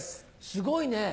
すごいね。